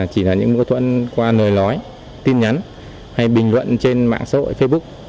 chỉ là những mâu thuẫn qua lời nói tin nhắn hay bình luận trên mạng xã hội facebook